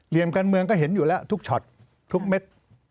การเมืองก็เห็นอยู่แล้วทุกช็อตทุกเม็ด